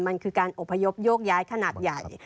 มันคือการอบพยพโยกย้ายขนาดใหญ่